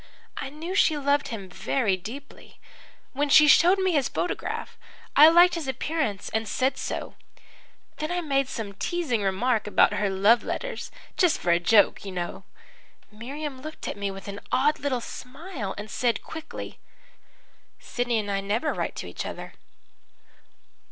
I knew she loved him very deeply. When she showed me his photograph, I liked his appearance and said so. Then I made some teasing remark about her love letters just for a joke, you know. Miriam looked at me with an odd little smile and said quickly: "'Sidney and I never write to each other.'